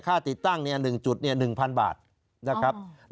ค่าติดตั้งเนี่ย๑จุดเนี่ย๑๐๐๐บาทนะครับ